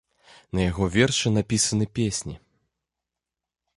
На яго вершы напісаны песні.